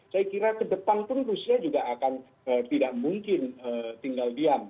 saya kira ke depan pun rusia juga akan tidak mungkin tinggal diam